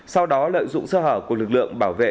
sau đó lợi dụng sơ hở của lực lượng bảo vệ